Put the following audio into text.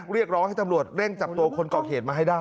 เรียกร้องให้ตำรวจเร่งจับตัวคนก่อเหตุมาให้ได้